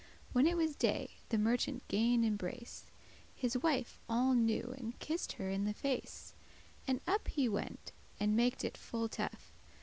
When it was day, the merchant gan embrace His wife all new, and kiss'd her in her face, And up he went, and maked it full tough.